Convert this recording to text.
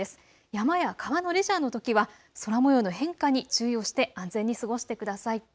山や川のレジャーのときは空もようの変化に注意して安全に過ごしてください。